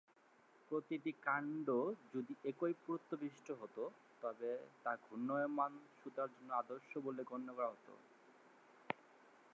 প্রতিটি কাণ্ড যদি একই পুরুত্ব বিশিষ্ট হত, তবে তা ঘূর্ণায়মান সুতার জন্য আদর্শ বলে গণ্য করা হত।